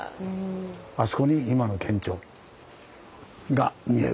あそこに今の県庁が見える。